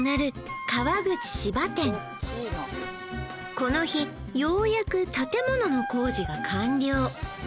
この日ようやく建物の工事が完了